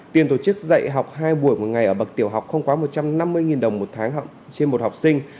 tiền tổ chức dạy học hai buổi một ngày ở bậc tiểu học không quá một trăm năm mươi đồng một tháng trên một học sinh